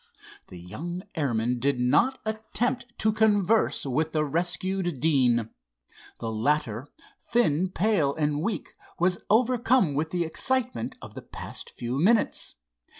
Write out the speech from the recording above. The young airmen did not attempt to converse with the rescued Deane. The latter, thin, pale and weak, was overcome with the excitement of the past few minutes.